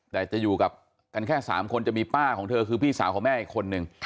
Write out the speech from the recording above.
แต่จะอยู่กับกันแค่๓คนจะมีป้าของเธอคือพี่สาวของแม่อีกคนนึง